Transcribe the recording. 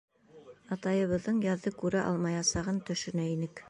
Атайыбыҙҙың яҙҙы күрә алмаясағын төшөнә инек.